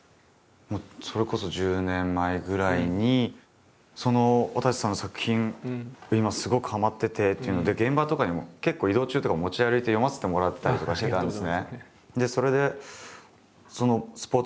もうそれこそ１０年前ぐらいに「わたせさんの作品今すごくはまってて」っていうので現場とかにも結構移動中とか持ち歩いて読ませてもらったりとかしてたんですね。